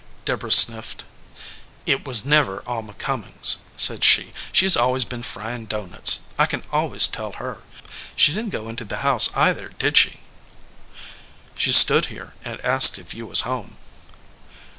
Deborah sniffed. "It was never Alma Cum mings," said she. "She s always been frying doughnuts. I can always tell her. She didn t go in the house, either, did she?" "She stood here and asked if you was home."